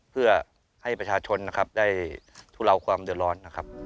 เพื่อให้ประชาชนการทุลาวความเดือร์รอน